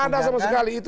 tidak ada sama sekali itu